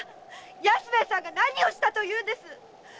安兵衛さんが何をしたというんです